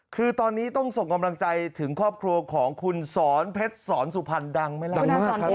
คือตอนนี้ต้องส่งกำลังใจถึงครอบครัวของคุณสอนเพชรสอนสุพรรณดังไหมล่ะดังมากครับ